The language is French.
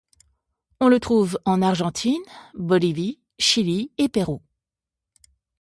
On le trouve en Argentine, Bolivie, Chili et Pérou.